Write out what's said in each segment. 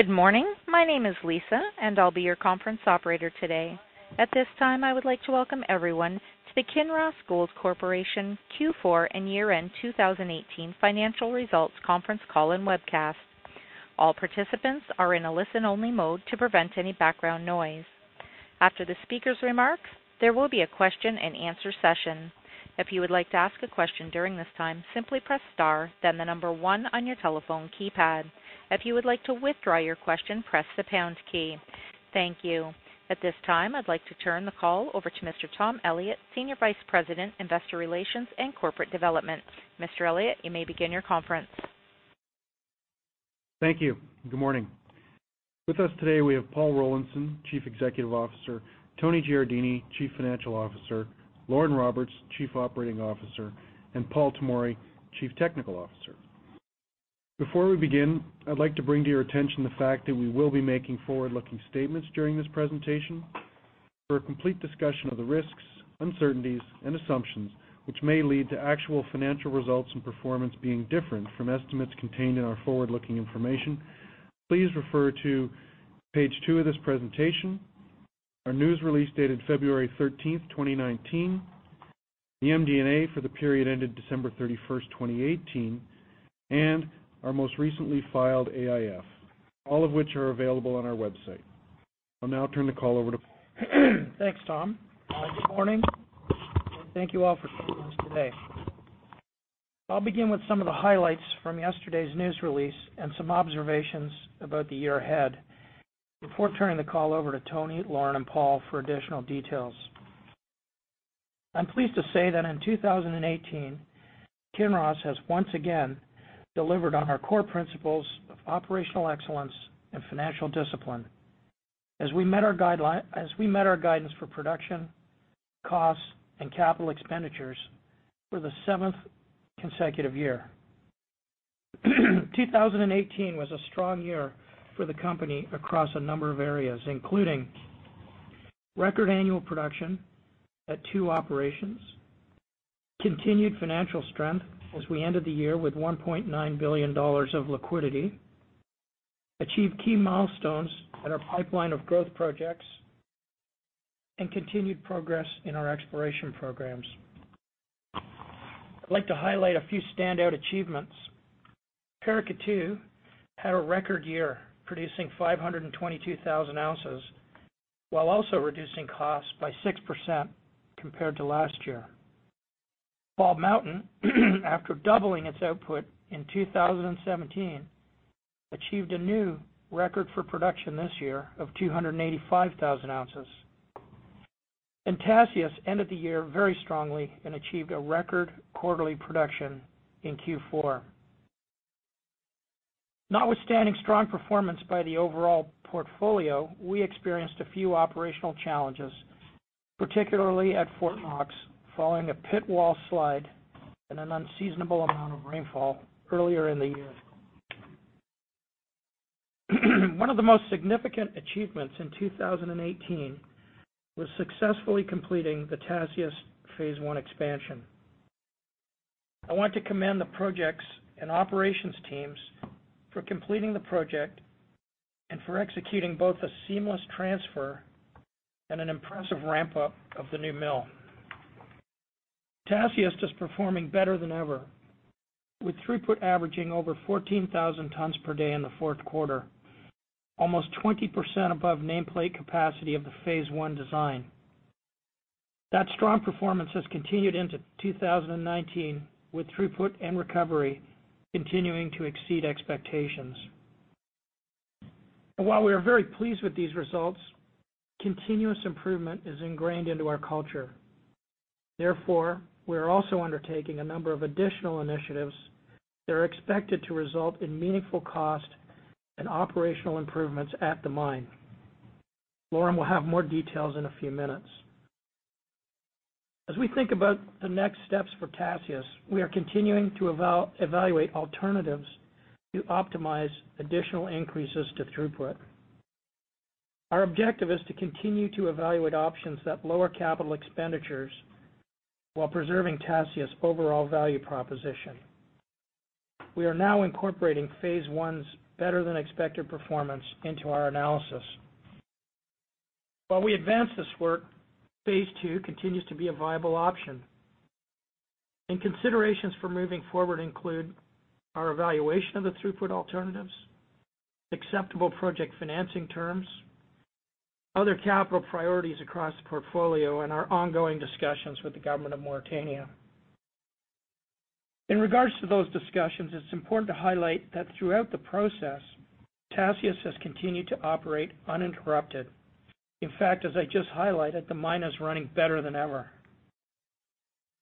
Good morning. My name is Lisa, and I'll be your conference operator today. At this time, I would like to welcome everyone to the Kinross Gold Corporation Q4 and year-end 2018 financial results conference call and webcast. All participants are in a listen-only mode to prevent any background noise. After the speaker's remarks, there will be a question and answer session. If you would like to ask a question during this time, simply press star, then the number one on your telephone keypad. If you would like to withdraw your question, press the pound key. Thank you. At this time, I'd like to turn the call over to Mr. Tom Elliott, Senior Vice President, Investor Relations and Corporate Development. Mr. Elliott, you may begin your conference. Thank you. Good morning. With us today, we have Paul Rollinson, Chief Executive Officer, Tony Giardini, Chief Financial Officer, Lauren Roberts, Chief Operating Officer, and Paul Tomory, Chief Technical Officer. Before we begin, I'd like to bring to your attention the fact that we will be making forward-looking statements during this presentation. For a complete discussion of the risks, uncertainties, and assumptions which may lead to actual financial results and performance being different from estimates contained in our forward-looking information, please refer to page two of this presentation, our news release dated February 13, 2019, the MD&A for the period ended December 31, 2018, and our most recently filed AIF, all of which are available on our website. I'll now turn the call over to Paul. Thanks, Tom. Good morning, thank you all for joining us today. I'll begin with some of the highlights from yesterday's news release and some observations about the year ahead, before turning the call over to Tony, Lauren, and Paul for additional details. I'm pleased to say that in 2018, Kinross has once again delivered on our core principles of operational excellence and financial discipline as we met our guidance for production, costs, and capital expenditures for the seventh consecutive year. 2018 was a strong year for the company across a number of areas, including record annual production at two operations, continued financial strength as we ended the year with $1.9 billion of liquidity, achieved key milestones in our pipeline of growth projects, and continued progress in our exploration programs. I'd like to highlight a few standout achievements. Paracatu had a record year, producing 522,000 ounces, while also reducing costs by 6% compared to last year. Bald Mountain, after doubling its output in 2017, achieved a new record for production this year of 285,000 ounces, Tasiast ended the year very strongly and achieved a record quarterly production in Q4. Notwithstanding strong performance by the overall portfolio, we experienced a few operational challenges, particularly at Fort Knox, following a pit wall slide and an unseasonable amount of rainfall earlier in the year. One of the most significant achievements in 2018 was successfully completing the Tasiast Phase 1 expansion. I want to commend the projects and operations teams for completing the project and for executing both a seamless transfer and an impressive ramp-up of the new mill. Tasiast is performing better than ever with throughput averaging over 14,000 tons per day in the fourth quarter, almost 20% above nameplate capacity of the Phase one design. That strong performance has continued into 2019, with throughput and recovery continuing to exceed expectations. While we are very pleased with these results, continuous improvement is ingrained into our culture. Therefore, we are also undertaking a number of additional initiatives that are expected to result in meaningful cost and operational improvements at the mine. Lauren will have more details in a few minutes. As we think about the next steps for Tasiast, we are continuing to evaluate alternatives to optimize additional increases to throughput. Our objective is to continue to evaluate options that lower capital expenditures while preserving Tasiast's overall value proposition. We are now incorporating Phase one's better-than-expected performance into our analysis. While we advance this work, Phase II continues to be a viable option, considerations for moving forward include our evaluation of the throughput alternatives, acceptable project financing terms, other capital priorities across the portfolio, and our ongoing discussions with the government of Mauritania. In regards to those discussions, it is important to highlight that throughout the process, Tasiast has continued to operate uninterrupted. In fact, as I just highlighted, the mine is running better than ever.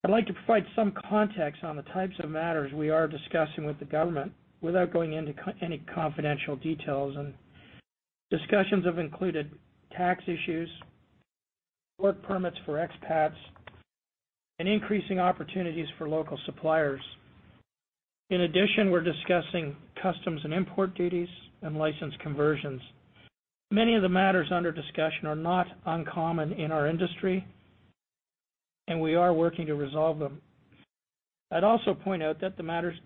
I'd like to provide some context on the types of matters we are discussing with the government without going into any confidential details. Discussions have included tax issues, work permits for expats, and increasing opportunities for local suppliers. In addition, we are discussing customs and import duties and license conversions. Many of the matters under discussion are not uncommon in our industry. We are working to resolve them. I'd also point out that matters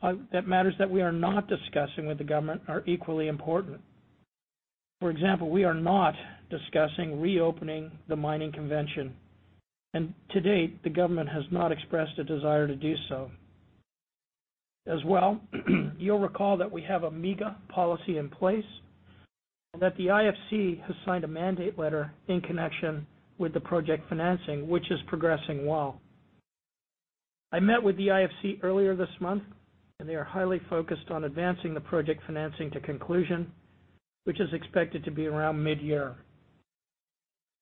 that we are not discussing with the government are equally important. For example, we are not discussing reopening the mining convention. To date, the government has not expressed a desire to do so. As well, you will recall that we have a MIGA policy in place, and that the IFC has signed a mandate letter in connection with the project financing, which is progressing well. I met with the IFC earlier this month, and they are highly focused on advancing the project financing to conclusion, which is expected to be around mid-year.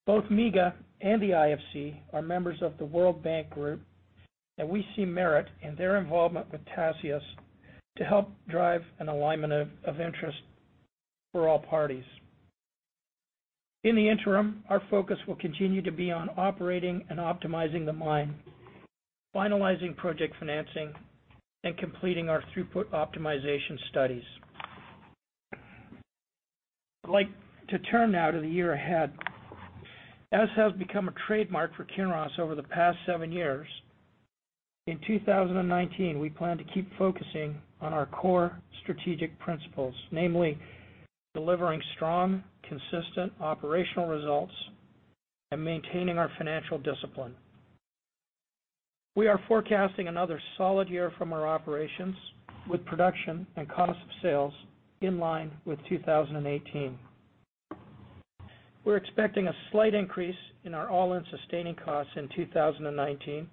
Both MIGA and the IFC are members of the World Bank Group, and we see merit in their involvement with Tasiast to help drive an alignment of interest for all parties. In the interim, our focus will continue to be on operating and optimizing the mine, finalizing project financing, and completing our throughput optimization studies. I'd like to turn now to the year ahead. As has become a trademark for Kinross over the past seven years, in 2019, we plan to keep focusing on our core strategic principles, namely, delivering strong, consistent operational results and maintaining our financial discipline. We are forecasting another solid year from our operations, with production and cost of sales in line with 2018. We are expecting a slight increase in our all-in sustaining costs in 2019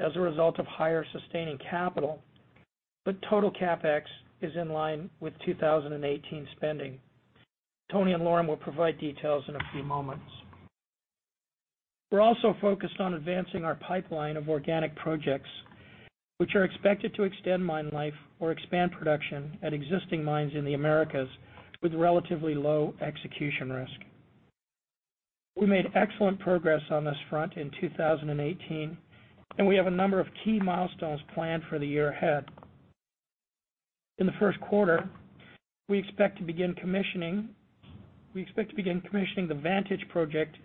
as a result of higher sustaining capital, but total CapEx is in line with 2018 spending. Tony and Lauren will provide details in a few moments. We're also focused on advancing our pipeline of organic projects, which are expected to extend mine life or expand production at existing mines in the Americas with relatively low execution risk. We made excellent progress on this front in 2018, and we have a number of key milestones planned for the year ahead. In the first quarter, we expect to begin commissioning the Vantage project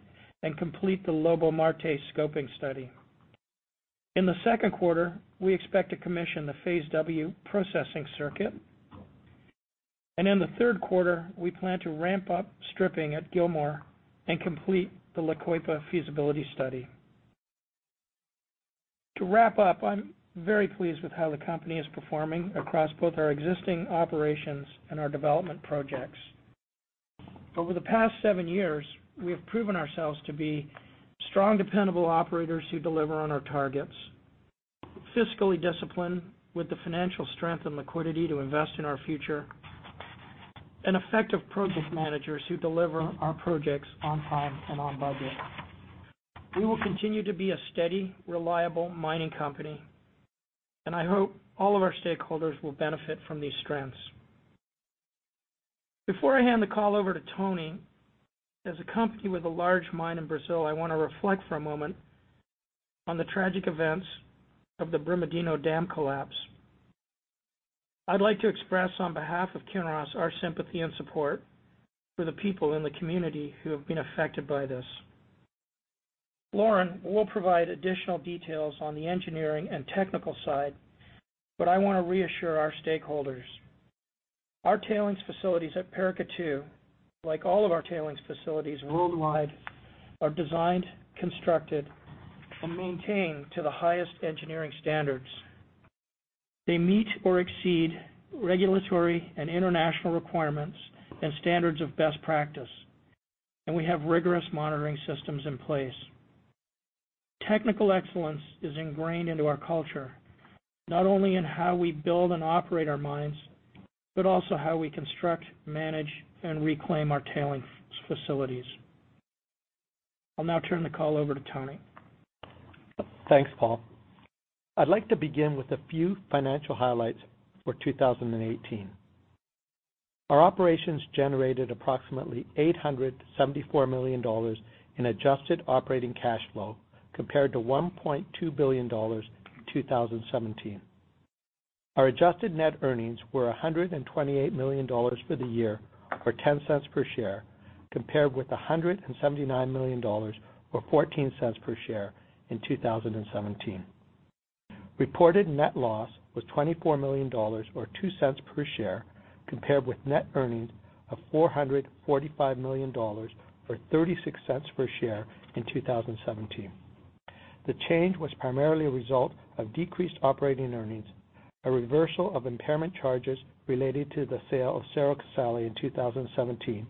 and complete the Lobo-Marte scoping study. In the second quarter, we expect to commission the Phase W processing circuit. In the third quarter, we plan to ramp up stripping at Gilmore and complete the La Coipa feasibility study. To wrap up, I'm very pleased with how the company is performing across both our existing operations and our development projects. Over the past seven years, we have proven ourselves to be strong, dependable operators who deliver on our targets, fiscally disciplined with the financial strength and liquidity to invest in our future, and effective project managers who deliver our projects on time and on budget. We will continue to be a steady, reliable mining company, and I hope all of our stakeholders will benefit from these strengths. Before I hand the call over to Tony, as a company with a large mine in Brazil, I want to reflect for a moment on the tragic events of the Brumadinho dam collapse. I'd like to express, on behalf of Kinross, our sympathy and support for the people in the community who have been affected by this. Lauren will provide additional details on the engineering and technical side, but I want to reassure our stakeholders. Our tailings facilities at Paracatu, like all of our tailings facilities worldwide, are designed, constructed, and maintained to the highest engineering standards. They meet or exceed regulatory and international requirements and standards of best practice, and we have rigorous monitoring systems in place. Technical excellence is ingrained into our culture, not only in how we build and operate our mines, but also how we construct, manage, and reclaim our tailings facilities. I'll now turn the call over to Tony. Thanks, Paul. I'd like to begin with a few financial highlights for 2018. Our operations generated approximately $874 million in adjusted operating cash flow, compared to $1.2 billion in 2017. Our adjusted net earnings were $128 million for the year, or $0.10 per share, compared with $179 million or $0.14 per share in 2017. Reported net loss was $24 million, or $0.02 per share, compared with net earnings of $445 million, or $0.36 per share in 2017. The change was primarily a result of decreased operating earnings, a reversal of impairment charges related to the sale of Cerro Casale in 2017,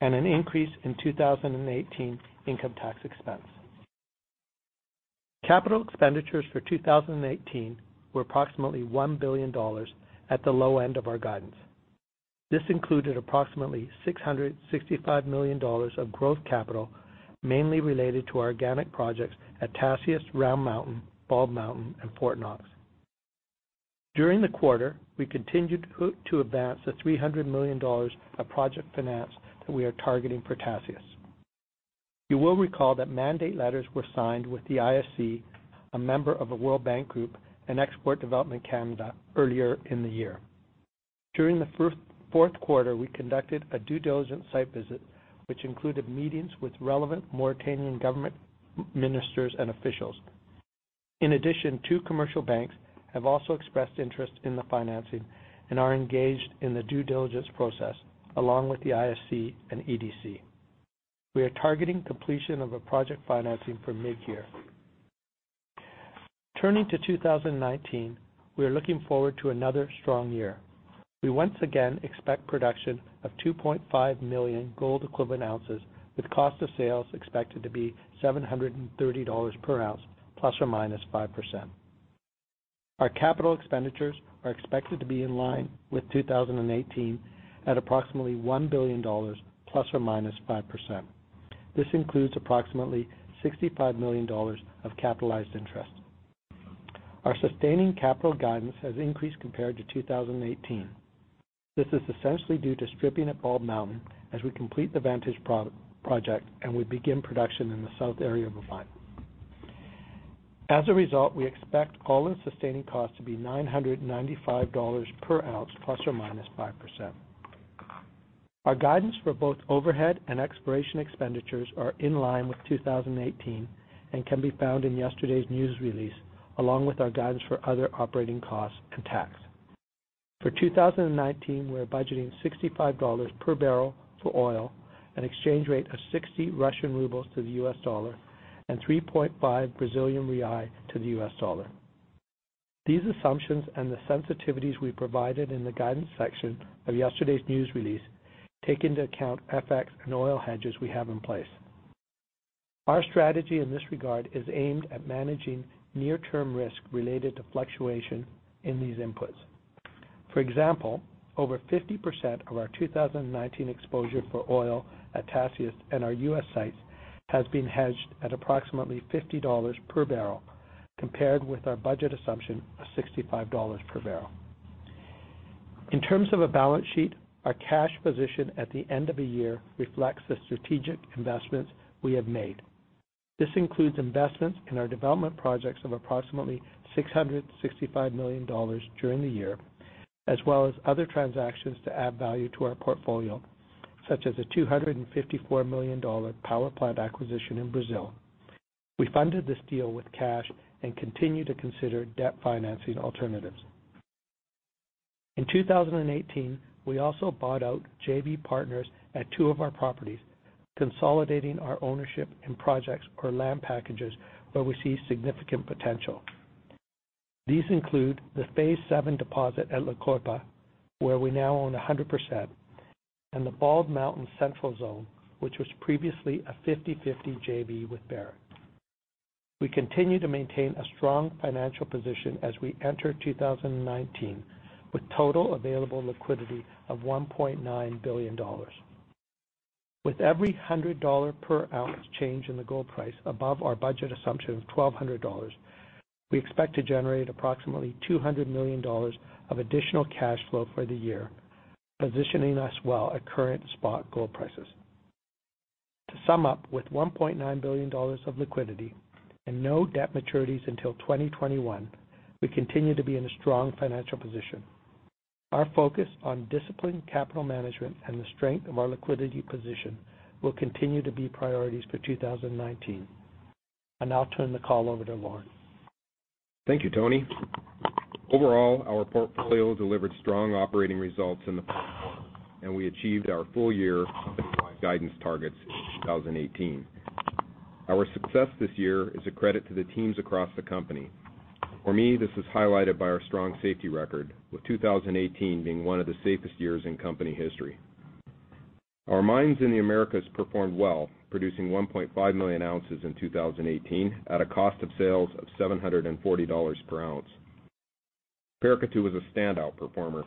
and an increase in 2018 income tax expense. Capital expenditures for 2018 were approximately $1 billion at the low end of our guidance. This included approximately $665 million of growth capital mainly related to organic projects at Tasiast, Round Mountain, Bald Mountain, and Fort Knox. During the quarter, we continued to advance the $300 million of project finance that we are targeting for Tasiast. You will recall that mandate letters were signed with the IFC, a member of the World Bank Group and Export Development Canada, earlier in the year. During the fourth quarter, we conducted a due diligence site visit, which included meetings with relevant Mauritanian government ministers and officials. In addition, two commercial banks have also expressed interest in the financing and are engaged in the due diligence process along with the IFC and EDC. We are targeting completion of a project financing for mid-year. Turning to 2019, we are looking forward to another strong year. We once again expect production of 2.5 million gold equivalent ounces, with cost of sales expected to be $730 per ounce, ±5%. Our capital expenditures are expected to be in line with 2018 at approximately $1 billion, ±5%. This includes approximately $65 million of capitalized interest. Our sustaining capital guidance has increased compared to 2018. This is essentially due to stripping at Bald Mountain as we complete the Vantage project and we begin production in the south area of the mine. As a result, we expect all-in sustaining costs to be $995 per ounce, ±5%. Our guidance for both overhead and exploration expenditures are in line with 2018 and can be found in yesterday's news release, along with our guidance for other operating costs and tax. For 2019, we are budgeting $65 per barrel for oil, an exchange rate of 60 Russian rubles to the USD, and BRL 3.5 to the USD. These assumptions and the sensitivities we provided in the guidance section of yesterday's news release take into account FX and oil hedges we have in place. Our strategy in this regard is aimed at managing near-term risk related to fluctuation in these inputs. For example, over 50% of our 2019 exposure for oil at Tasiast and our U.S. sites has been hedged at approximately $50 per barrel, compared with our budget assumption of $65 per barrel. In terms of a balance sheet, our cash position at the end of the year reflects the strategic investments we have made. This includes investments in our development projects of approximately $665 million during the year, as well as other transactions to add value to our portfolio, such as a $254 million power plant acquisition in Brazil. We funded this deal with cash and continue to consider debt financing alternatives. In 2018, we also bought out JV partners at two of our properties, consolidating our ownership in projects or land packages where we see significant potential. These include the Phase VII deposit at La Coipa, where we now own 100%, and the Bald Mountain Central Zone, which was previously a 50/50 JV with Barrick. We continue to maintain a strong financial position as we enter 2019 with total available liquidity of $1.9 billion. With every $100 per ounce change in the gold price above our budget assumption of $1,200, we expect to generate approximately $200 million of additional cash flow for the year, positioning us well at current spot gold prices. To sum up, with $1.9 billion of liquidity and no debt maturities until 2021, we continue to be in a strong financial position. Our focus on disciplined capital management and the strength of our liquidity position will continue to be priorities for 2019. I'll now turn the call over to Lauren. Thank you, Tony. Overall, our portfolio delivered strong operating results and we achieved our full-year guidance targets in 2018. Our success this year is a credit to the teams across the company. For me, this is highlighted by our strong safety record, with 2018 being one of the safest years in company history. Our mines in the Americas performed well, producing 1.5 million ounces in 2018 at a cost of sales of $740 per ounce. Paracatu was a standout performer,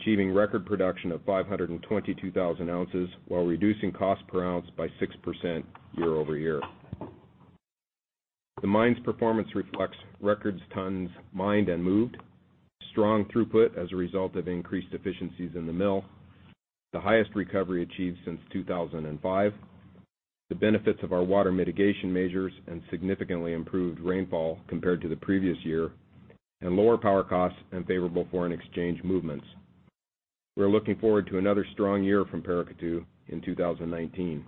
achieving record production of 522,000 ounces while reducing cost per ounce by 6% year over year. The mine's performance reflects records tons mined and moved, strong throughput as a result of increased efficiencies in the mill, the highest recovery achieved since 2005, the benefits of our water mitigation measures and significantly improved rainfall compared to the previous year, and lower power costs and favorable foreign exchange movements. We're looking forward to another strong year from Paracatu in 2019.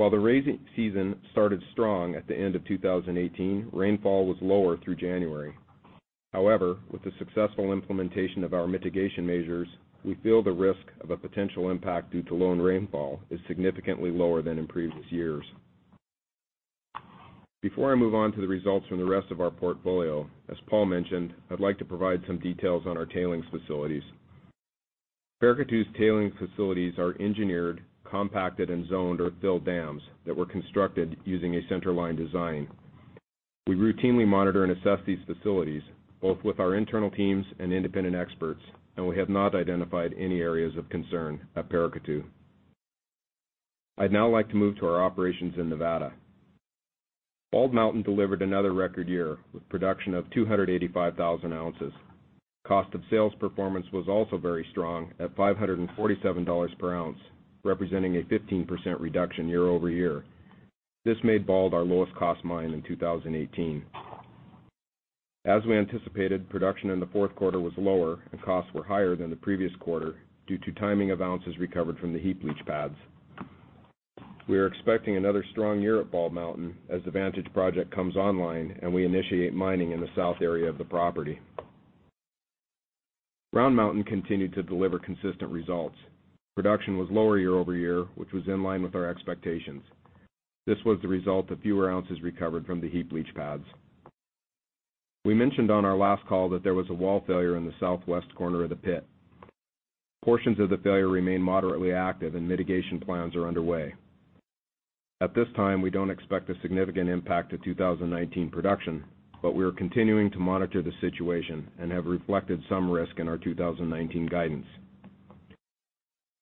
While the rainy season started strong at the end of 2018, rainfall was lower through January. However, with the successful implementation of our mitigation measures, we feel the risk of a potential impact due to low rainfall is significantly lower than in previous years. Before I move on to the results from the rest of our portfolio, as Paul mentioned, I'd like to provide some details on our tailings facilities. Paracatu's tailings facilities are engineered, compacted, and zoned earth fill dams that were constructed using a centerline design. We routinely monitor and assess these facilities, both with our internal teams and independent experts, and we have not identified any areas of concern at Paracatu. I'd now like to move to our operations in Nevada. Bald Mountain delivered another record year with production of 285,000 ounces. Cost of sales performance was also very strong at $547 per ounce, representing a 15% reduction year over year. This made Bald our lowest cost mine in 2018. As we anticipated, production in the fourth quarter was lower and costs were higher than the previous quarter due to timing of ounces recovered from the heap leach pads. We are expecting another strong year at Bald Mountain as the Vantage project comes online and we initiate mining in the south area of the property. Round Mountain continued to deliver consistent results. Production was lower year over year, which was in line with our expectations. This was the result of fewer ounces recovered from the heap leach pads. We mentioned on our last call that there was a wall failure in the southwest corner of the pit. Portions of the failure remain moderately active, and mitigation plans are underway. At this time, we don't expect a significant impact to 2019 production. We are continuing to monitor the situation and have reflected some risk in our 2019 guidance.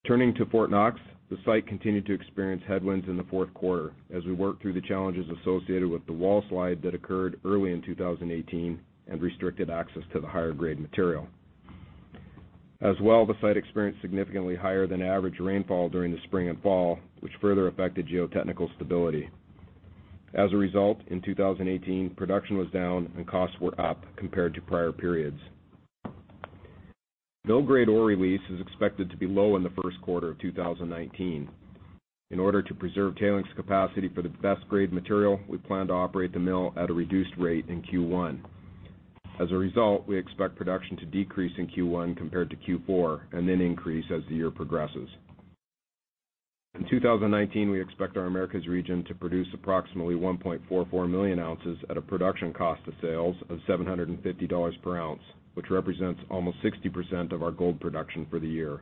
Turning to Fort Knox, the site continued to experience headwinds in the fourth quarter as we worked through the challenges associated with the wall slide that occurred early in 2018 and restricted access to the higher grade material. As well, the site experienced significantly higher than average rainfall during the spring and fall, which further affected geotechnical stability. As a result, in 2018, production was down and costs were up compared to prior periods. Mill-grade ore release is expected to be low in the first quarter of 2019. In order to preserve tailings capacity for the best grade material, we plan to operate the mill at a reduced rate in Q1. As a result, we expect production to decrease in Q1 compared to Q4. Then increase as the year progresses. In 2019, we expect our Americas region to produce approximately 1.44 million ounces at a production cost of sales of $750 per ounce, which represents almost 60% of our gold production for the year.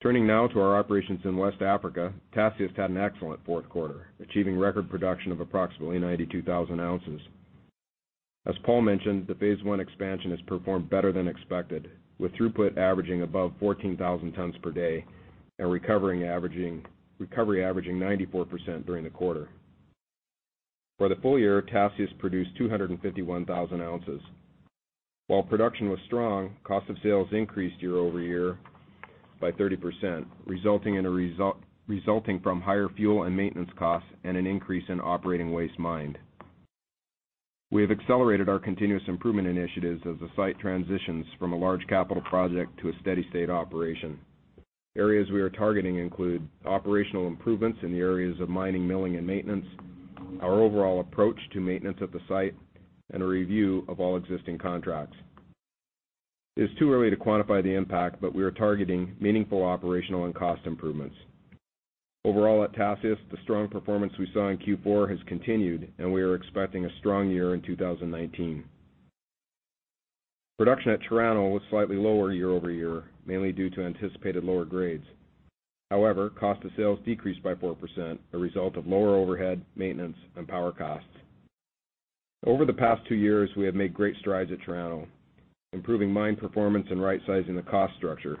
Turning now to our operations in West Africa, Tasiast had an excellent fourth quarter, achieving record production of approximately 92,000 ounces. As Paul mentioned, the Phase one expansion has performed better than expected, with throughput averaging above 14,000 tons per day and recovery averaging 94% during the quarter. For the full year, Tasiast produced 251,000 ounces. While production was strong, cost of sales increased year-over-year by 30%, resulting from higher fuel and maintenance costs and an increase in operating waste mined. We have accelerated our continuous improvement initiatives as the site transitions from a large capital project to a steady state operation. Areas we are targeting include operational improvements in the areas of mining, milling, and maintenance, our overall approach to maintenance at the site, and a review of all existing contracts. It is too early to quantify the impact. We are targeting meaningful operational and cost improvements. Overall at Tasiast, the strong performance we saw in Q4 has continued. We are expecting a strong year in 2019. Production at Chirano was slightly lower year-over-year, mainly due to anticipated lower grades. However, cost of sales decreased by 4%, a result of lower overhead, maintenance, and power costs. Over the past two years, we have made great strides at Chirano, improving mine performance and rightsizing the cost structure.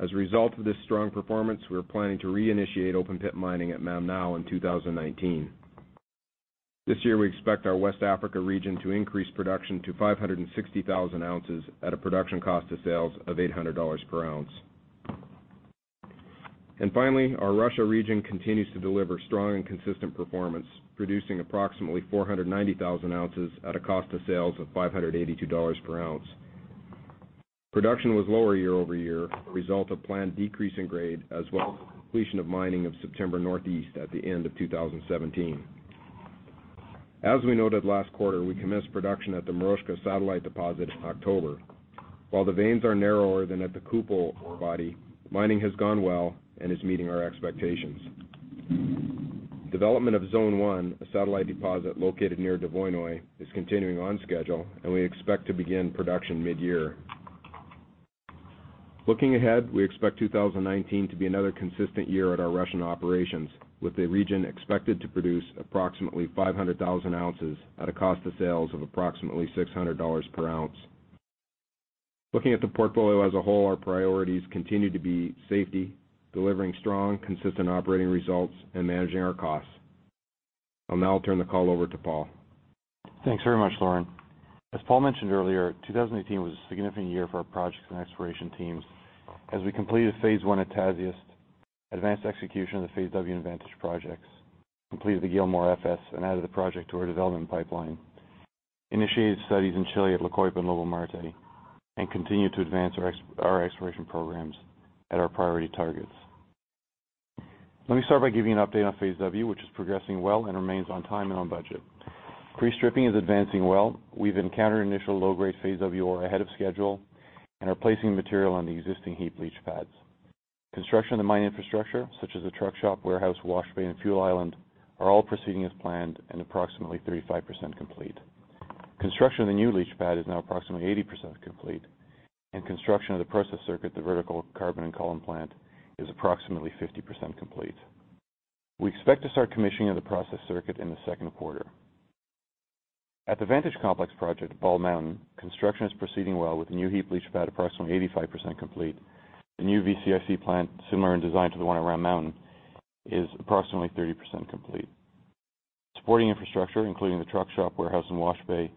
As a result of this strong performance, we're planning to reinitiate open pit mining at Mam in 2019. This year, we expect our West Africa region to increase production to 560,000 ounces at a production cost of sales of $800 per ounce. Finally, our Russia region continues to deliver strong and consistent performance, producing approximately 490,000 ounces at a cost of sales of $582 per ounce. Production was lower year-over-year as a result of planned decrease in grade, as well as the completion of mining of September Northeast at the end of 2017. As we noted last quarter, we commenced production at the Moroshka satellite deposit in October. While the veins are narrower than at the Kupol ore body, mining has gone well and is meeting our expectations. Development of Zone 1, a satellite deposit located near Dvoinoye, is continuing on schedule, and we expect to begin production mid-year. Looking ahead, we expect 2019 to be another consistent year at our Russian operations, with the region expected to produce approximately 500,000 ounces at a cost of sales of approximately $600 per ounce. Looking at the portfolio as a whole, our priorities continue to be safety, delivering strong, consistent operating results, and managing our costs. I'll now turn the call over to Paul. Thanks very much, Lauren. As Paul mentioned earlier, 2018 was a significant year for our projects and exploration teams as we completed Phase one at Tasiast, advanced execution of the Phase W and Vantage projects, completed the Gilmore FS and added the project to our development pipeline, initiated studies in Chile at La Coipa and Lobo-Marte, and continued to advance our exploration programs at our priority targets. Let me start by giving you an update on Phase W, which is progressing well and remains on time and on budget. Pre-stripping is advancing well. We've encountered initial low-grade Phase W ore ahead of schedule and are placing material on the existing heap leach pads. Construction of the mine infrastructure, such as the truck shop, warehouse, wash bay, and fuel island, are all proceeding as planned and approximately 35% complete. Construction of the new leach pad is now approximately 80% complete, and construction of the process circuit, the Vertical Carbon-in-Column plant, is approximately 50% complete. We expect to start commissioning of the process circuit in the second quarter. At the Vantage Complex project at Bald Mountain, construction is proceeding well with the new heap leach pad approximately 85% complete. The new VCIC plant, similar in design to the one at Round Mountain, is approximately 30% complete. Supporting infrastructure, including the truck shop, warehouse, and wash bay,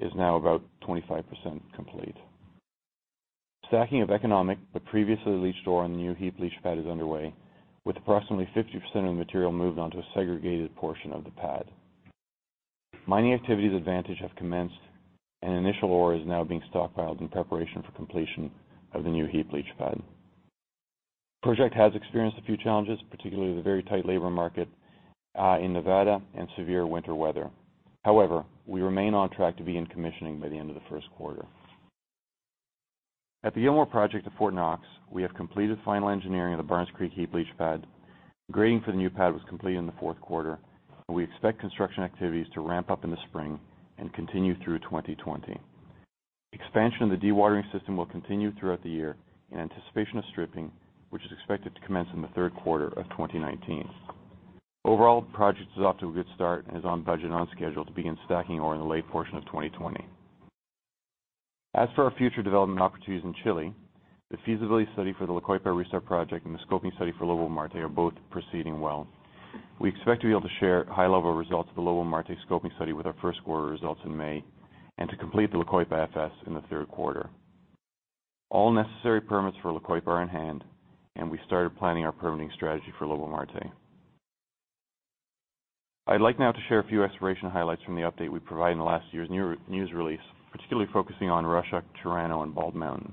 is now about 25% complete. Stacking of economic, but previously leached ore on the new heap leach pad is underway with approximately 50% of the material moved onto a segregated portion of the pad. Mining activities at Vantage have commenced, and initial ore is now being stockpiled in preparation for completion of the new heap leach pad. Project has experienced a few challenges, particularly the very tight labor market, in Nevada and severe winter weather. However, we remain on track to be in commissioning by the end of the first quarter. At the Gilmore project at Fort Knox, we have completed final engineering of the Barnes Creek heap leach pad. Grading for the new pad was completed in the fourth quarter, and we expect construction activities to ramp up in the spring and continue through 2020. Expansion of the dewatering system will continue throughout the year in anticipation of stripping, which is expected to commence in the third quarter of 2019. Overall, project is off to a good start and is on budget and on schedule to begin stacking ore in the late portion of 2020. As for our future development opportunities in Chile, the feasibility study for the La Coipa restart project and the scoping study for Lobo-Marte are both proceeding well. We expect to be able to share high-level results of the Lobo-Marte scoping study with our first quarter results in May, and to complete the La Coipa FS in the third quarter. All necessary permits for La Coipa are in hand, and we started planning our permitting strategy for Lobo-Marte. I'd like now to share a few exploration highlights from the update we provided in last year's news release, particularly focusing on Russia, Chirano, and Bald Mountain.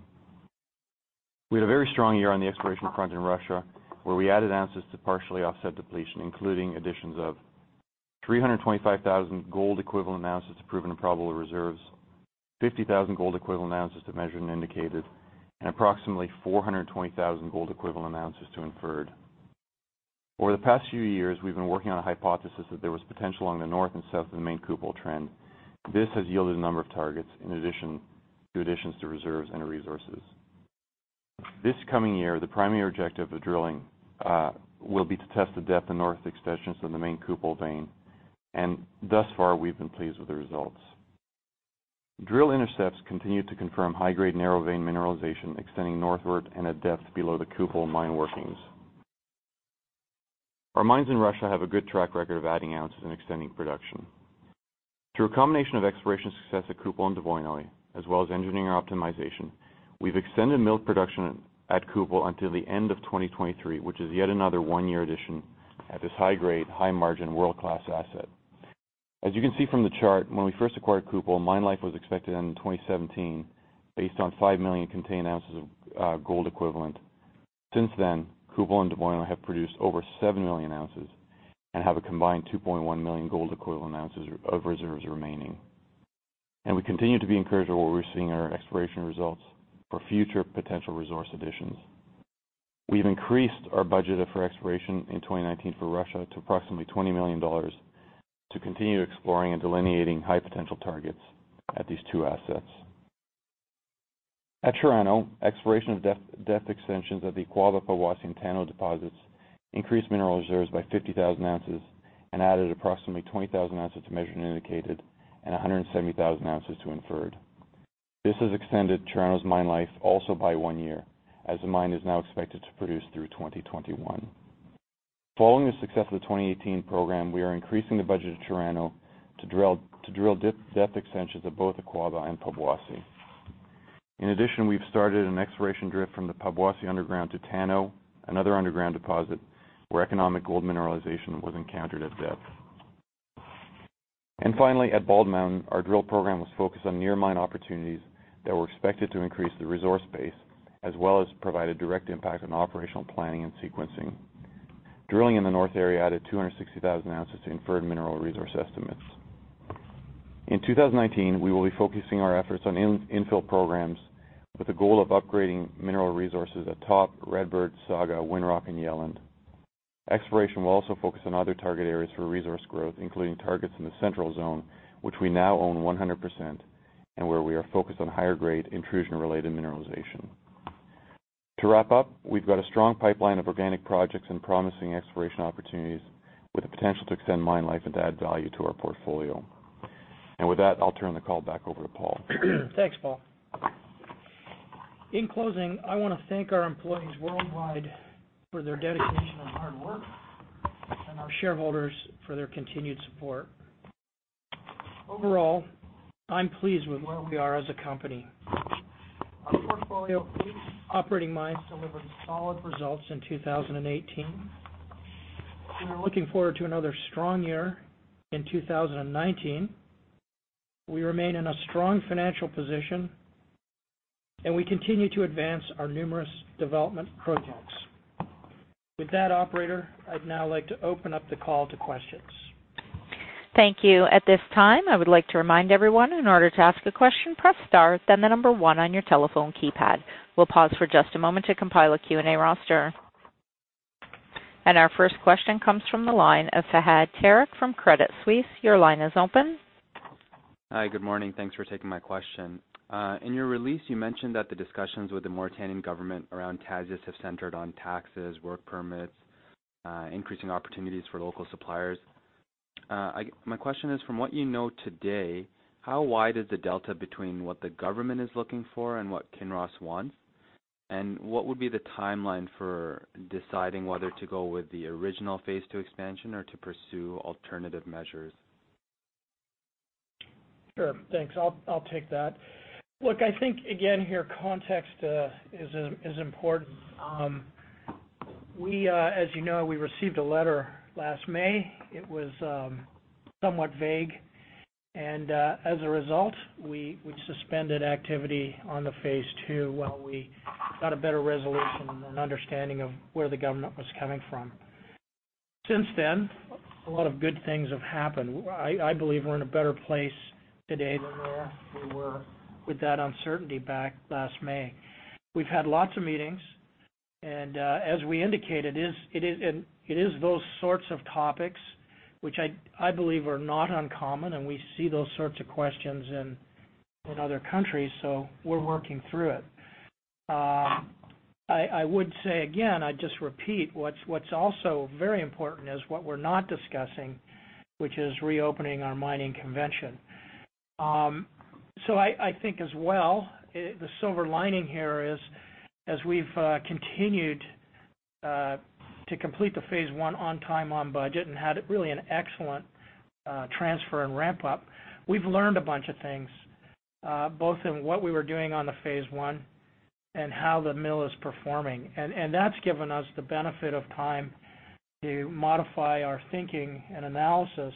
We had a very strong year on the exploration front in Russia, where we added ounces to partially offset depletion, including additions of 325,000 gold equivalent ounces proven in probable reserves, 50,000 gold equivalent ounces to measured and indicated, and approximately 420,000 gold equivalent ounces to inferred. Over the past few years, we've been working on a hypothesis that there was potential along the north and south of the main Kupol trend. This has yielded a number of targets in addition to additions to reserves and resources. This coming year, the primary objective of drilling, will be to test the depth and north extensions of the main Kupol vein, and thus far, we've been pleased with the results. Drill intercepts continue to confirm high-grade narrow vein mineralization extending northward and at depth below the Kupol mine workings. Our mines in Russia have a good track record of adding ounces and extending production. Through a combination of exploration success at Kupol and Dvoinoye, as well as engineering optimization, we've extended mill production at Kupol until the end of 2023, which is yet another one-year addition at this high-grade, high-margin, world-class asset. As you can see from the chart, when we first acquired Kupol, mine life was expected to end in 2017 based on five million contained ounces of gold equivalent. Since then, Kupol and Dvoinoye have produced over seven million ounces and have a combined 2.1 million gold equivalent ounces of reserves remaining. We continue to be encouraged by what we're seeing in our exploration results for future potential resource additions. We've increased our budget for exploration in 2019 for Russia to approximately $20 million to continue exploring and delineating high potential targets at these two assets. At Chirano, exploration of depth extensions at the Akwaaba, Paboase, and Tano deposits increased mineral reserves by 50,000 ounces and added approximately 20,000 ounces to measured and indicated, and 170,000 ounces to inferred. This has extended Chirano's mine life also by one year, as the mine is now expected to produce through 2021. Following the success of the 2018 program, we are increasing the budget of Chirano to drill depth extensions at both Akwaaba and Paboase. In addition, we've started an exploration drift from the Paboase underground to Tano, another underground deposit where economic gold mineralization was encountered at depth. Finally, at Bald Mountain, our drill program was focused on near mine opportunities that were expected to increase the resource base, as well as provide a direct impact on operational planning and sequencing. Drilling in the north area added 260,000 ounces to inferred mineral resource estimates. In 2019, we will be focusing our efforts on infill programs with the goal of upgrading mineral resources at Top, Redbird, Saga, Winrock, and Yelland. Exploration will also focus on other target areas for resource growth, including targets in the Central Zone, which we now own 100%, and where we are focused on higher grade intrusion-related mineralization. To wrap up, we've got a strong pipeline of organic projects and promising exploration opportunities with the potential to extend mine life and add value to our portfolio. With that, I'll turn the call back over to Paul. Thanks, Paul. In closing, I want to thank our employees worldwide for their dedication and hard work, and our shareholders for their continued support. Overall, I'm pleased with where we are as a company. Our portfolio of operating mines delivered solid results in 2018, and we're looking forward to another strong year in 2019. We remain in a strong financial position, and we continue to advance our numerous development projects. With that, operator, I'd now like to open up the call to questions. Thank you. At this time, I would like to remind everyone, in order to ask a question, press Star, then the number one on your telephone keypad. We'll pause for just a moment to compile a Q&A roster. Our first question comes from the line of Fahad Tariq from Credit Suisse. Your line is open. Hi. Good morning. Thanks for taking my question. In your release, you mentioned that the discussions with the Mauritanian government around Tasiast have centered on taxes, work permits, increasing opportunities for local suppliers. My question is, from what you know today, how wide is the delta between what the government is looking for and what Kinross wants? What would be the timeline for deciding whether to go with the original Phase II expansion or to pursue alternative measures? Sure. Thanks. I'll take that. Look, I think, again, here, context is important. As you know, we received a letter last May. It was somewhat vague, and as a result, we suspended activity on the Phase II while we got a better resolution and understanding of where the government was coming from. Since then, a lot of good things have happened. I believe we're in a better place today than where we were with that uncertainty back last May. We've had lots of meetings, as we indicated, it is those sorts of topics, which I believe are not uncommon, and we see those sorts of questions in other countries, so we're working through it. I would say, again, I'd just repeat, what's also very important is what we're not discussing, which is reopening our mining convention. I think as well, the silver lining here is as we've continued to complete the Phase I on time, on budget, and had really an excellent transfer and ramp-up, we've learned a bunch of things, both in what we were doing on the Phase I and how the mill is performing. That's given us the benefit of time to modify our thinking and analysis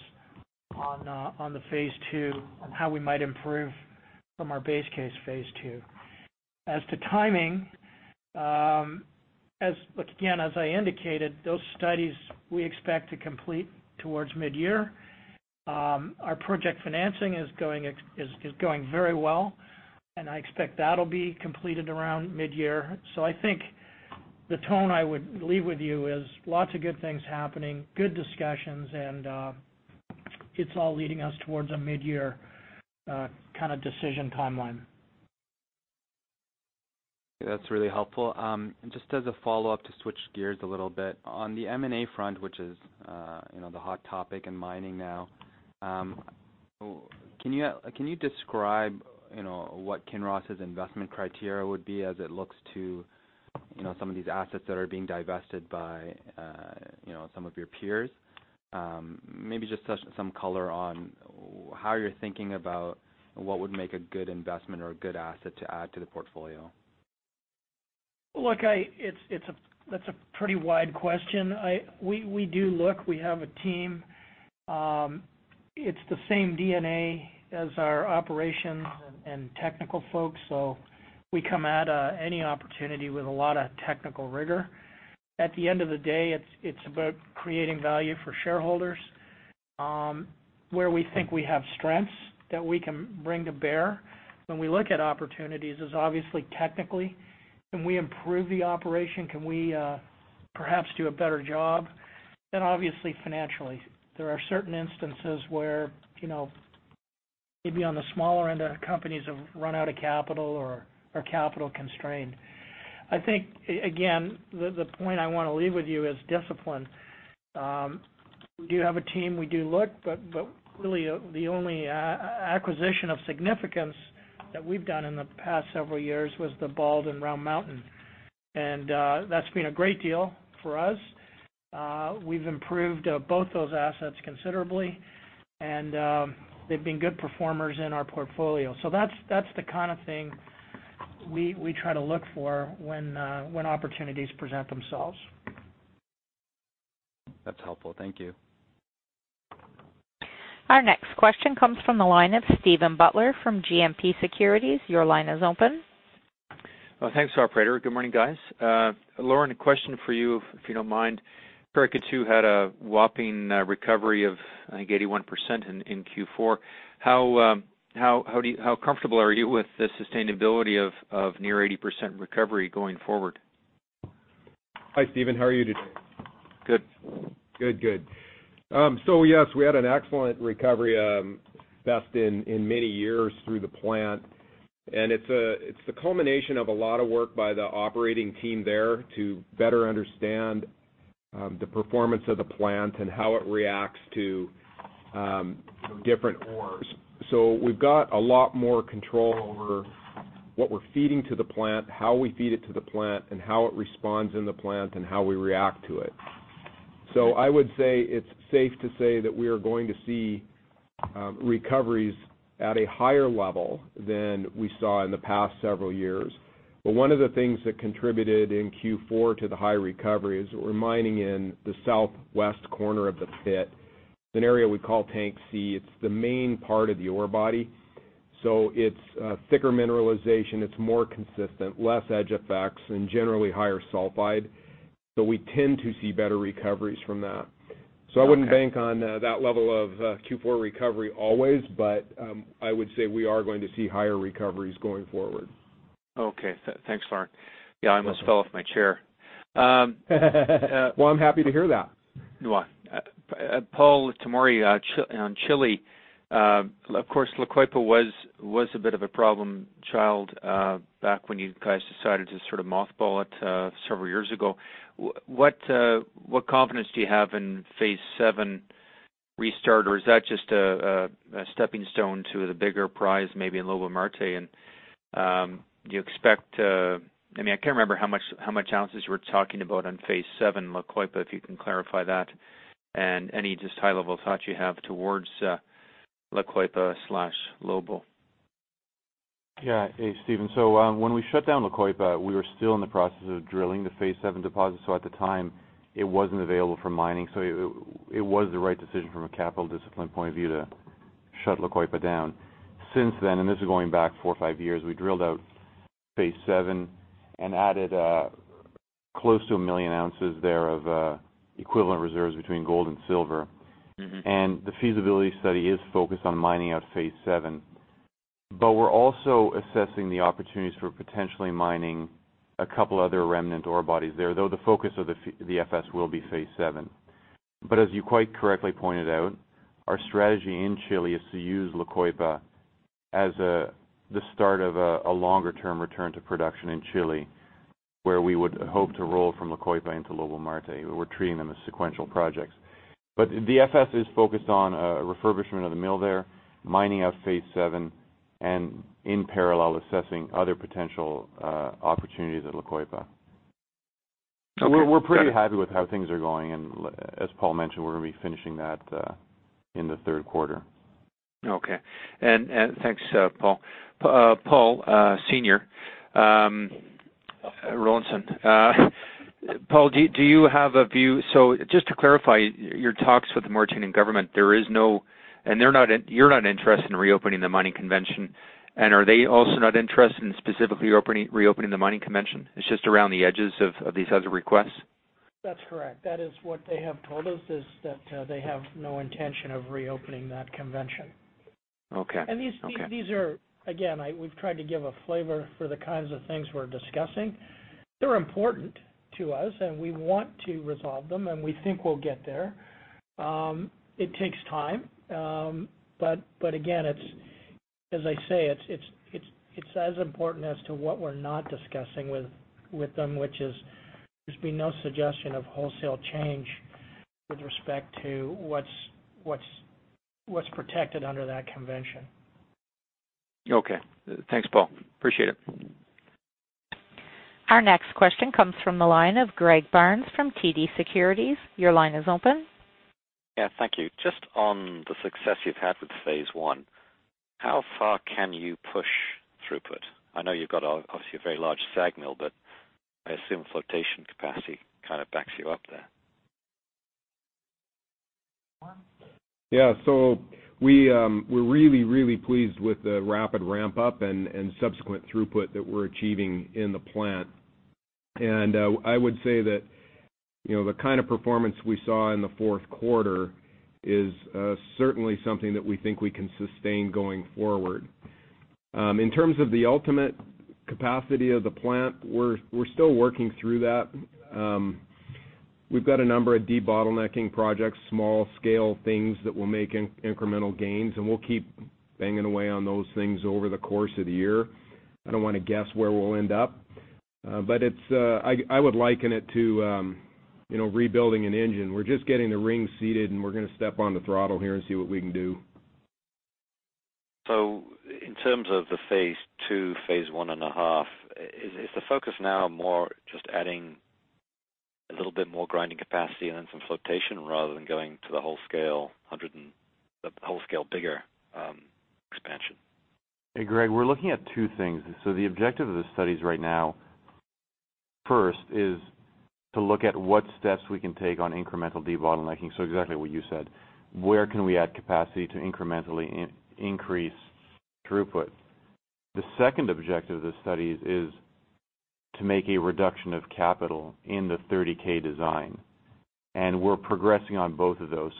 on the Phase II and how we might improve from our base case Phase II. As to timing, again, as I indicated, those studies we expect to complete towards mid-year. Our project financing is going very well, and I expect that'll be completed around mid-year. I think the tone I would leave with you is lots of good things happening, good discussions, and it's all leading us towards a mid-year kind of decision timeline. That's really helpful. Just as a follow-up, to switch gears a little bit, on the M&A front, which is the hot topic in mining now, can you describe what Kinross's investment criteria would be as it looks to some of these assets that are being divested by some of your peers? Maybe just some color on how you're thinking about what would make a good investment or a good asset to add to the portfolio. Look, that's a pretty wide question. We do look. We have a team. It's the same DNA as our operations and technical folks, so we come at any opportunity with a lot of technical rigor. At the end of the day, it's about creating value for shareholders. Where we think we have strengths that we can bring to bear when we look at opportunities is obviously technically, can we improve the operation? Can we perhaps do a better job? Obviously financially. There are certain instances where, maybe on the smaller end, companies have run out of capital or are capital constrained. I think, again, the point I want to leave with you is discipline. We do have a team, we do look, really the only acquisition of significance that we've done in the past several years was the Bald and Round Mountain, and that's been a great deal for us. We've improved both those assets considerably, and they've been good performers in our portfolio. That's the kind of thing we try to look for when opportunities present themselves. That's helpful. Thank you. Our next question comes from the line of Steven Butler from GMP Securities. Your line is open. Thanks, operator. Good morning, guys. Lauren, a question for you, if you don't mind. Paracatu had a whopping recovery of, I think 81% in Q4. How comfortable are you with the sustainability of near 80% recovery going forward? Hi, Steven. How are you today? Good. Good. Yes, we had an excellent recovery, best in many years through the plant. It's the culmination of a lot of work by the operating team there to better understand the performance of the plant and how it reacts to different ores. We've got a lot more control over what we're feeding to the plant, how we feed it to the plant, and how it responds in the plant, and how we react to it. I would say it's safe to say that we are going to see recoveries at a higher level than we saw in the past several years. One of the things that contributed in Q4 to the high recovery is we're mining in the southwest corner of the pit, an area we call Tank C. It's the main part of the ore body. It's thicker mineralization, it's more consistent, less edge effects, and generally higher sulfide. We tend to see better recoveries from that. Okay. I wouldn't bank on that level of Q4 recovery always, I would say we are going to see higher recoveries going forward. Okay. Thanks, Lauren. Yeah, I almost fell off my chair. Well, I'm happy to hear that. Well. Paul, to Murray on Chile, of course, La Coipa was a bit of a problem child back when you guys decided to sort of mothball it several years ago. What confidence do you have in Phase VII restart, or is that just a stepping stone to the bigger prize, maybe in Lobo-Marte? Do you expect to I can't remember how much ounces you were talking about on Phase VII, La Coipa, if you can clarify that, and any just high-level thoughts you have towards La Coipa/Lobo. Yeah. Hey, Steven. When we shut down La Coipa, we were still in the process of drilling the Phase VII deposit. At the time, it wasn't available for mining. It was the right decision from a capital discipline point of view to shut La Coipa down. Since then, and this is going back four or five years, we drilled out Phase VII and added close to 1 million ounces there of equivalent reserves between gold and silver. The feasibility study is focused on mining out Phase VII. We're also assessing the opportunities for potentially mining a couple other remnant ore bodies there, though the focus of the FS will be Phase VII. As you quite correctly pointed out, our strategy in Chile is to use La Coipa as the start of a longer-term return to production in Chile, where we would hope to roll from La Coipa into Lobo-Marte. We're treating them as sequential projects. The FS is focused on refurbishment of the mill there, mining out Phase VII, and in parallel, assessing other potential opportunities at La Coipa. Okay, got it. We're pretty happy with how things are going, and as Paul mentioned, we're going to be finishing that in the third quarter. Okay. Thanks, Paul. Paul Senior, Rollinson. Paul, do you have a view? Just to clarify, your talks with the Mauritanian government, you're not interested in reopening the Mining Convention. Are they also not interested in specifically reopening the Mining Convention? It's just around the edges of these other requests? That's correct. That is what they have told us, is that they have no intention of reopening that convention. Okay. These are, again, we've tried to give a flavor for the kinds of things we're discussing. They're important to us, and we want to resolve them, and we think we'll get there. It takes time. Again, as I say, it's as important as to what we're not discussing with them, which is there's been no suggestion of wholesale change with respect to what's protected under that convention. Okay. Thanks, Paul. Appreciate it. Our next question comes from the line of Greg Barnes from TD Securities. Your line is open. Yeah, thank you. Just on the success you've had with Phase one, how far can you push throughput? I know you've got, obviously, a very large SAG mill. I assume flotation capacity kind of backs you up there. Yeah. We're really, really pleased with the rapid ramp-up and subsequent throughput that we're achieving in the plant. I would say that the kind of performance we saw in the fourth quarter is certainly something that we think we can sustain going forward. In terms of the ultimate capacity of the plant, we're still working through that. We've got a number of debottlenecking projects, small scale things that will make incremental gains, and we'll keep banging away on those things over the course of the year. I don't want to guess where we'll end up. I would liken it to rebuilding an engine. We're just getting the rings seated, and we're going to step on the throttle here and see what we can do. In terms of the Phase II, Phase one and a half, is the focus now more just adding a little bit more grinding capacity and then some flotation rather than going to the whole scale, bigger expansion? Hey, Greg, we're looking at two things. The objective of the studies right now, first is to look at what steps we can take on incremental debottlenecking. Exactly what you said, where can we add capacity to incrementally increase throughput? The second objective of the studies is to make a reduction of capital in the 30K design, and we're progressing on both of those.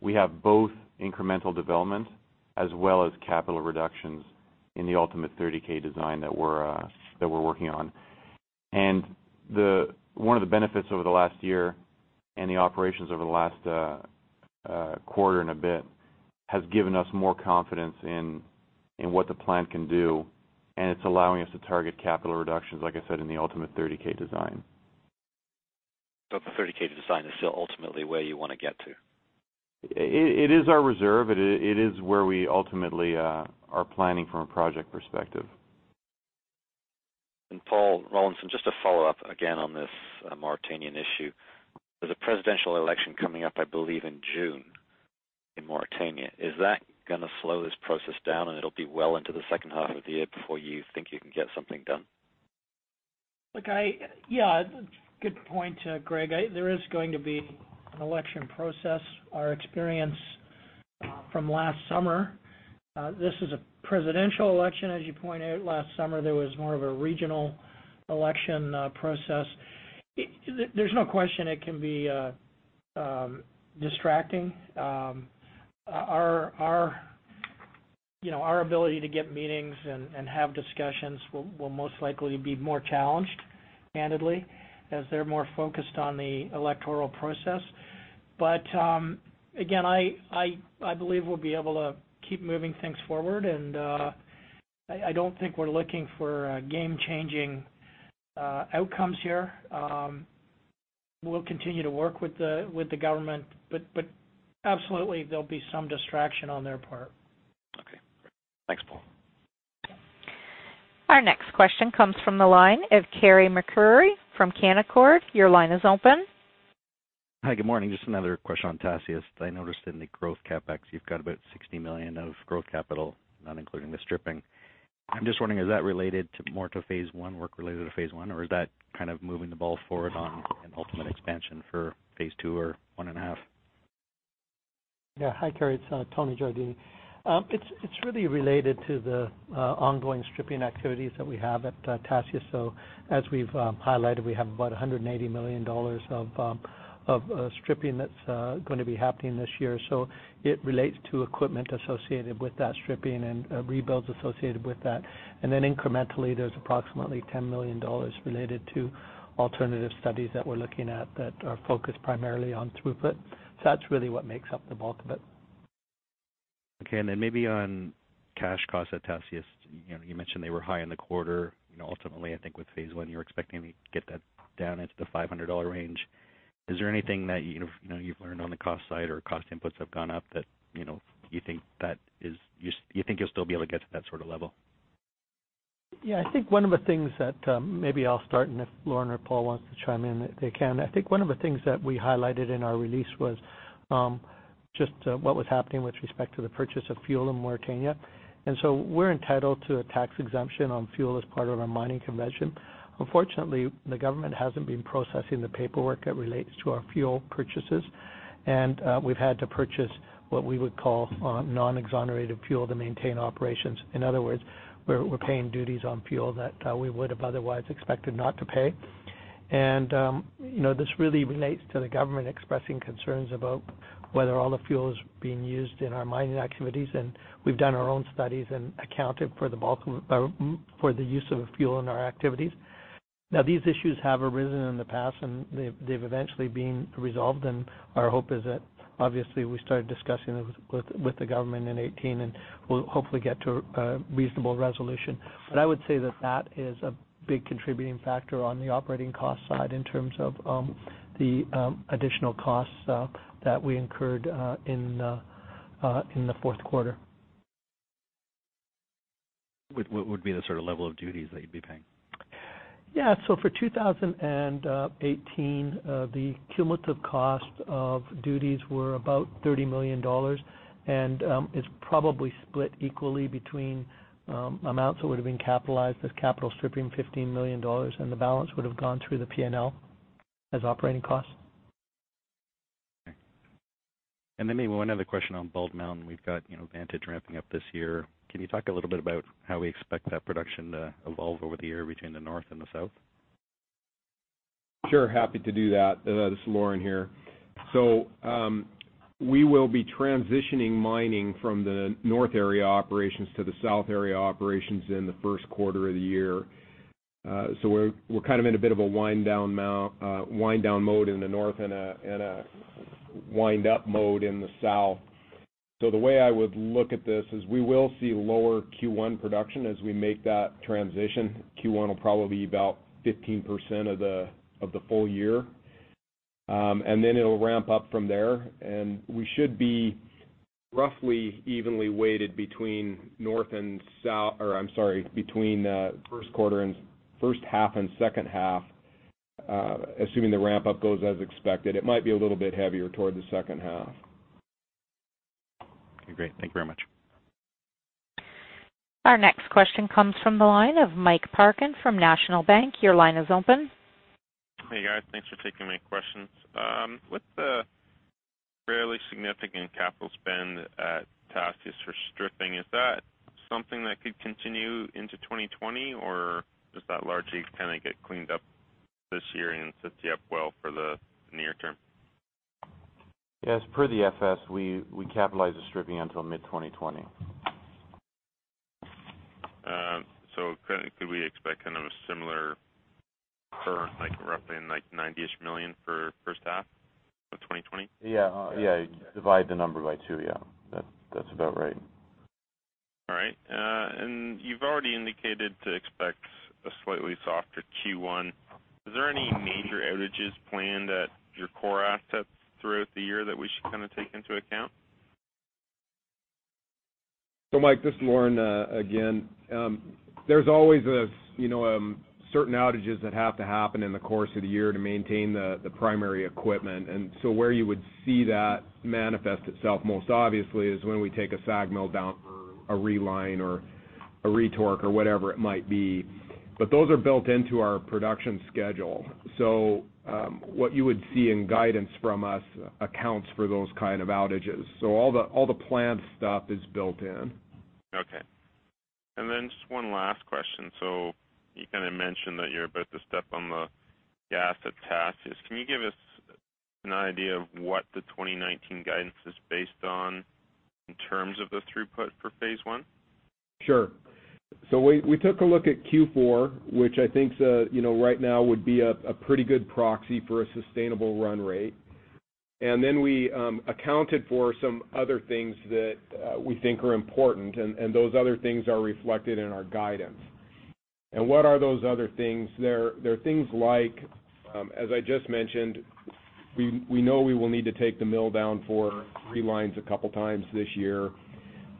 We have both incremental development as well as capital reductions in the ultimate 30K design that we're working on. One of the benefits over the last year and the operations over the last quarter and a bit has given us more confidence in what the plant can do, and it's allowing us to target capital reductions, like I said, in the ultimate 30K design. The 30K design is still ultimately where you want to get to. It is our reserve. It is where we ultimately are planning from a project perspective. Paul Rollinson, just to follow up again on this Mauritanian issue. There's a presidential election coming up, I believe, in June in Mauritania. Is that going to slow this process down, and it'll be well into the second half of the year before you think you can get something done? Good point, Greg. There is going to be an election process. Our experience from last summer, this is a presidential election, as you pointed out. Last summer, there was more of a regional election process. There's no question it can be distracting. Our ability to get meetings and have discussions will most likely be more challenged, candidly, as they're more focused on the electoral process. Again, I believe we'll be able to keep moving things forward, and I don't think we're looking for game changing outcomes here. We'll continue to work with the government, but absolutely, there'll be some distraction on their part. Okay. Thanks, Paul. Our next question comes from the line of Carey MacRury from Canaccord. Your line is open. Hi, good morning. Just another question on Tasiast. I noticed in the growth CapEx, you've got about $60 million of growth capital, not including the stripping. I'm just wondering, is that related more to Phase one, work related to Phase one, or is that kind of moving the ball forward on an ultimate expansion for Phase II or one and a half? Hi, Carey, it's Tony Giardini. It's really related to the ongoing stripping activities that we have at Tasiast. As we've highlighted, we have about $180 million of stripping that's going to be happening this year. It relates to equipment associated with that stripping and rebuilds associated with that. Incrementally, there's approximately $10 million related to alternative studies that we're looking at that are focused primarily on throughput. That's really what makes up the bulk of it. Okay. Maybe on cash costs at Tasiast. You mentioned they were high in the quarter. Ultimately, I think with Phase one, you were expecting to get that down into the $500 range. Is there anything that you've learned on the cost side or cost inputs have gone up that you think you'll still be able to get to that sort of level? I think one of the things that maybe I'll start, and if Lauren or Paul wants to chime in, they can. I think one of the things that I highlighted in our release was just what was happening with respect to the purchase of fuel in Mauritania. We're entitled to a tax exemption on fuel as part of our mining convention. Unfortunately, the government hasn't been processing the paperwork that relates to our fuel purchases, and we've had to purchase what we would call non-exonerated fuel to maintain operations. In other words, we're paying duties on fuel that we would have otherwise expected not to pay. This really relates to the government expressing concerns about whether all the fuel is being used in our mining activities, and we've done our own studies and accounted for the use of fuel in our activities. These issues have arisen in the past, and they've eventually been resolved. Our hope is that obviously we started discussing this with the government in 2018, and we'll hopefully get to a reasonable resolution. I would say that that is a big contributing factor on the operating cost side in terms of the additional costs that we incurred in the fourth quarter. What would be the sort of level of duties that you'd be paying? Yeah. For 2018, the cumulative cost of duties were about $30 million, and it's probably split equally between amounts that would have been capitalized as capital stripping, $15 million, and the balance would have gone through the P&L as operating costs. Okay. Then maybe one other question on Bald Mountain. We've got Vantage ramping up this year. Can you talk a little bit about how we expect that production to evolve over the year between the North and the South? Sure. Happy to do that. This is Lauren here. We will be transitioning mining from the North area operations to the South area operations in the first quarter of the year. We're kind of in a bit of a wind down mode in the North and a wind up mode in the South. The way I would look at this is we will see lower Q1 production as we make that transition. Q1 will probably be about 15% of the full year. Then it'll ramp up from there. We should be roughly evenly weighted between first quarter and first half and second half, assuming the ramp up goes as expected. It might be a little bit heavier toward the second half. Okay, great. Thank you very much. Our next question comes from the line of Mike Parkin from National Bank. Your line is open. Hey, guys. Thanks for taking my questions. With the fairly significant capital spend at Tasiast for stripping, is that something that could continue into 2020? Does that largely kind of get cleaned up this year and sets you up well for the near term? Yes, per the FS, we capitalize the stripping until mid-2020. Could we expect kind of a similar, like $90-ish million for first half of 2020? Yeah. Divide the number by two. Yeah. That's about right. All right. You've already indicated to expect a slightly softer Q1. Is there any major outages planned at your core assets throughout the year that we should kind of take into account? Mike, this is Lauren again. There's always certain outages that have to happen in the course of the year to maintain the primary equipment. Where you would see that manifest itself most obviously is when we take a SAG mill down for a reline or a retorque or whatever it might be. Those are built into our production schedule. What you would see in guidance from us accounts for those kind of outages. All the planned stuff is built in. Okay. Just one last question. You kind of mentioned that you're about to step on the gas at Tasiast. Can you give us an idea of what the 2019 guidance is based on in terms of the throughput for Phase one? Sure. We took a look at Q4, which I think right now would be a pretty good proxy for a sustainable run rate. We accounted for some other things that we think are important, and those other things are reflected in our guidance. What are those other things? They're things like, as I just mentioned, we know we will need to take the mill down for three lines a couple times this year.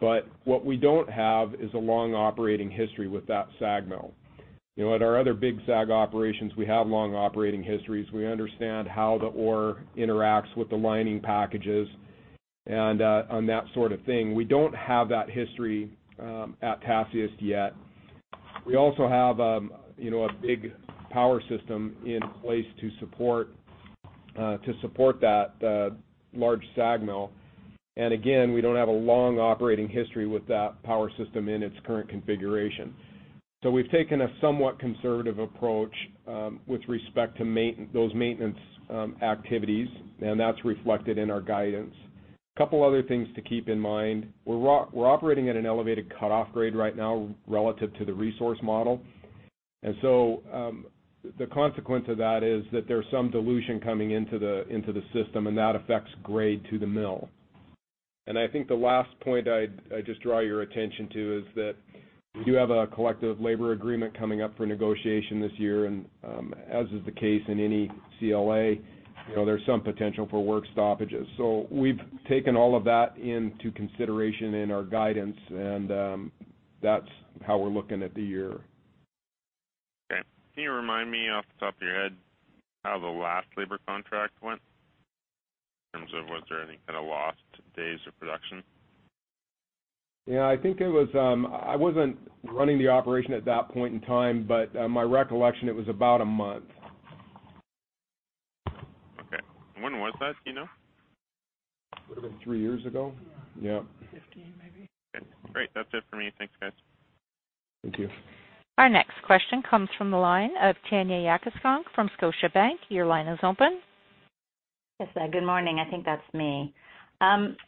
What we don't have is a long operating history with that SAG mill. At our other big SAG operations, we have long operating histories. We understand how the ore interacts with the lining packages and on that sort of thing. We don't have that history at Tasiast yet. We also have a big power system in place to support that large SAG mill. Again, we don't have a long operating history with that power system in its current configuration. We've taken a somewhat conservative approach with respect to those maintenance activities, and that's reflected in our guidance. Couple other things to keep in mind. We're operating at an elevated cutoff grade right now relative to the resource model. The consequence of that is that there's some dilution coming into the system, and that affects grade to the mill. I think the last point I'd just draw your attention to is that we do have a Collective Labour Agreement coming up for negotiation this year, and, as is the case in any CLA, there's some potential for work stoppages. We've taken all of that into consideration in our guidance, and that's how we're looking at the year. Okay. Can you remind me off the top of your head how the last labor contract went, in terms of was there any kind of lost days of production? Yeah, I think it was I wasn't running the operation at that point in time, but my recollection, it was about a month. Okay. When was that, do you know? Would've been three years ago? Yeah. Yep. 2015, maybe. Okay, great. That's it for me. Thanks, guys. Thank you. Our next question comes from the line of Tanya Jakusconek from Scotiabank. Your line is open. Yes, good morning. I think that's me.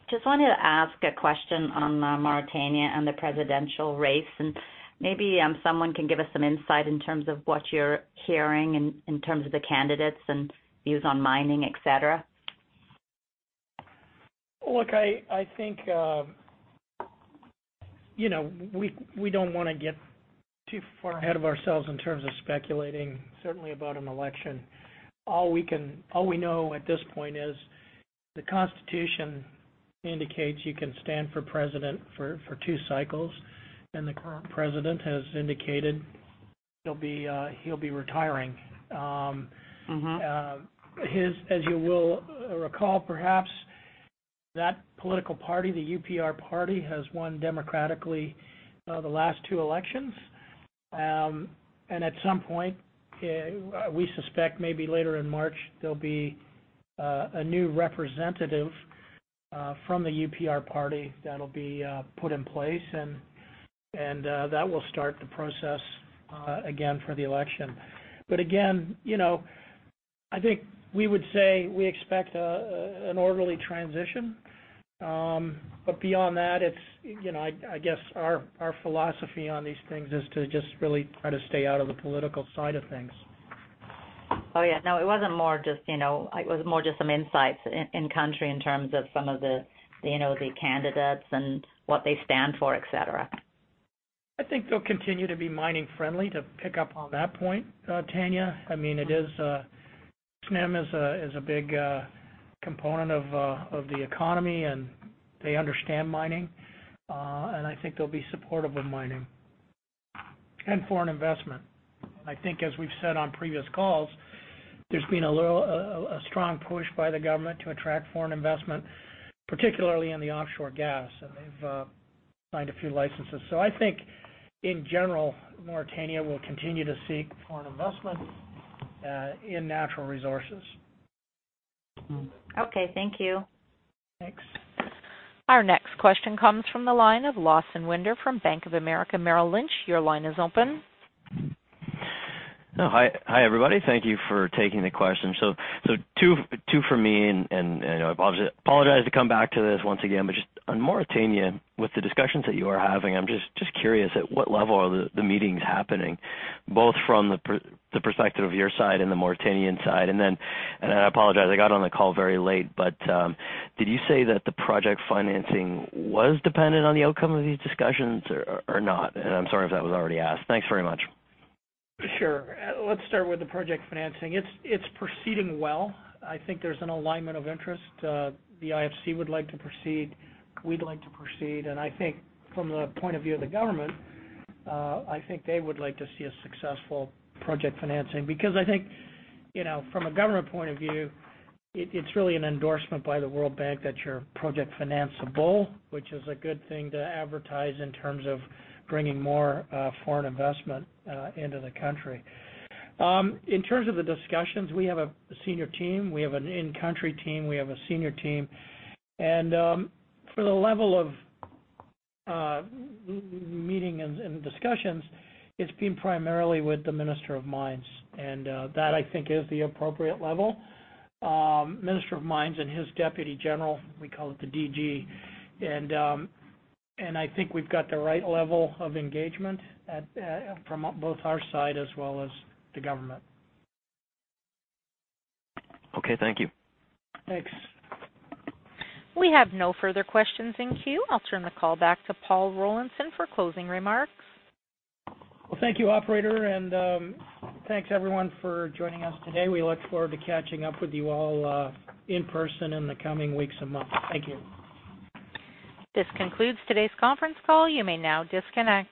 Just wanted to ask a question on Mauritania and the presidential race, and maybe someone can give us some insight in terms of what you're hearing in terms of the candidates and views on mining, et cetera. Look, I think, we don't want to get too far ahead of ourselves in terms of speculating, certainly about an election. All we know at this point is the Constitution indicates you can stand for president for two cycles, and the current president has indicated he'll be retiring. As you will recall, perhaps, that political party, the UPR party, has won democratically the last two elections. At some point, we suspect maybe later in March, there'll be a new representative from the UPR party that'll be put in place and that will start the process again for the election. Again, I think we would say we expect an orderly transition. Beyond that, I guess our philosophy on these things is to just really try to stay out of the political side of things. Oh, yeah. No, it was more just some insights in-country in terms of some of the candidates and what they stand for, et cetera. I think they'll continue to be mining friendly, to pick up on that point, Tanya. SNIM is a big component of the economy, and they understand mining. I think they'll be supportive of mining and foreign investment. I think as we've said on previous calls, there's been a strong push by the government to attract foreign investment, particularly in the offshore gas, and they've signed a few licenses. I think in general, Mauritania will continue to seek foreign investment in natural resources. Okay, thank you. Thanks. Our next question comes from the line of Lawson Winder from Bank of America Merrill Lynch. Your line is open. Hi, everybody. Thank you for taking the question. Two from me, I apologize to come back to this once again, but just on Mauritania, with the discussions that you are having, I'm just curious, at what level are the meetings happening, both from the perspective of your side and the Mauritanian side? I apologize, I got on the call very late, but did you say that the project financing was dependent on the outcome of these discussions or not? I'm sorry if that was already asked. Thanks very much. Sure. Let's start with the project financing. It's proceeding well. I think there's an alignment of interest. The IFC would like to proceed. We'd like to proceed. I think from the point of view of the government, I think they would like to see a successful project financing because I think from a government point of view, it's really an endorsement by the World Bank that you're project financeable, which is a good thing to advertise in terms of bringing more foreign investment into the country. In terms of the discussions, we have a senior team. We have an in-country team. We have a senior team, for the level of meeting and discussions, it's been primarily with the Minister of Mines. That I think is the appropriate level. Minister of Mines and his deputy general, we call it the DG. I think we've got the right level of engagement from both our side as well as the government. Okay, thank you. Thanks. We have no further questions in queue. I'll turn the call back to Paul Rollinson for closing remarks. Well, thank you, operator, thanks everyone for joining us today. We look forward to catching up with you all in person in the coming weeks and months. Thank you. This concludes today's conference call. You may now disconnect.